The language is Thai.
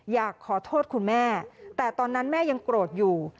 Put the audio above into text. อยากขอโทษคุณแม่แต่ตอนนั้นแม่ยังโกรธอยู่